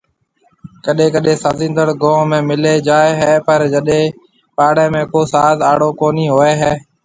ڪڏيَ ڪڏيَ سازيندڙ گون ۾ مليَ جائيَ هي پر جڏيَ پاݪيَ ۾ ڪو ساز آڙو ڪونِهي هوئيَ هيَ